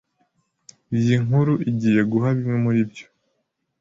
Iyi nkuru igihe kuguha bimwe muri byo.